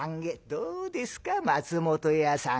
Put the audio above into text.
「どうですか松本屋さん。